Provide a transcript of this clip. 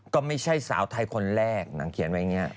ก็ไม่ใช่สาวไทยคนแรกนางเขียนไว้อย่างนี้